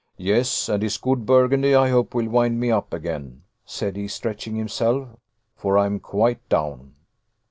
"Yes; and his good burgundy, I hope, will wind me up again," said he, stretching himself, "for I am quite down."